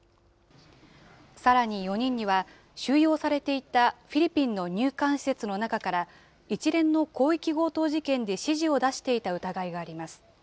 さらに４人には、収容されていたフィリピンの入管施設の中から、一連の広域強盗事件で指示を出していた疑いがあります。